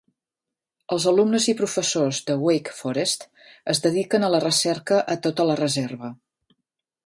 Els alumnes i professors de Wake Forest es dediquen a la recerca a tota la reserva.